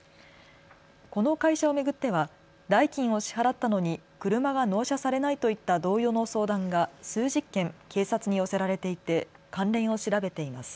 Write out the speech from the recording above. この会社を巡っては代金を支払ったのに車が納車されないといった同様の相談が数十件、警察に寄せられていて関連を調べています。